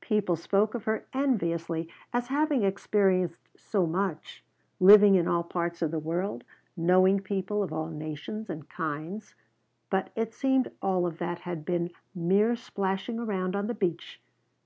People spoke of her enviously as having experienced so much; living in all parts of the world, knowing people of all nations and kinds. But it seemed all of that had been mere splashing around on the beach.